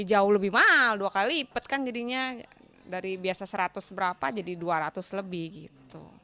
jauh lebih mahal dua kali lipat kan jadinya dari biasa seratus berapa jadi dua ratus lebih gitu